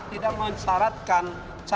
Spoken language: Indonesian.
tidak mensyaratkan cat